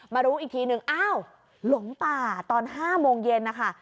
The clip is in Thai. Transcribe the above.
รู้อีกทีนึงอ้าวหลงป่าตอน๕โมงเย็นนะคะ